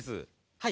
はい。